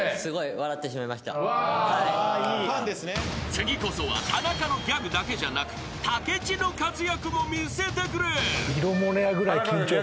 ［次こそは田中のギャグだけじゃなく武智の活躍も見せてくれ］